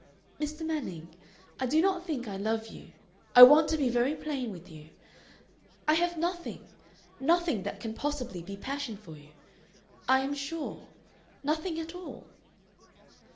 "Mr. Manning, I do not think I love you.... I want to be very plain with you. I have nothing, nothing that can possibly be passion for you. I am sure. Nothing at all."